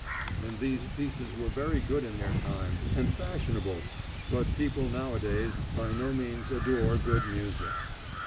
And these pieces were very good in their time, and fashionable, but people nowadays by no means adore good music.